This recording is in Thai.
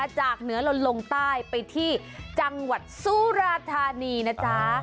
จากเหนือเราลงใต้ไปที่จังหวัดสุราธานีนะจ๊ะ